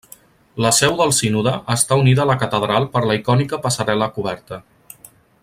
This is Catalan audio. La seu del sínode està unida a la catedral per la icònica passarel·la coberta.